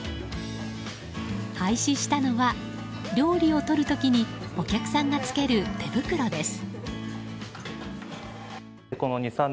廃止したのは料理をとるときにお客さんがつける手袋です。